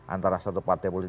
antara satu partai politik